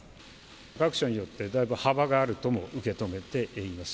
各社によってだいぶ幅があるとも受け止めております。